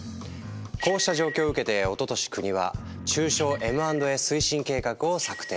こうした状況を受けておととし国は「中小Ｍ＆Ａ推進計画」を策定。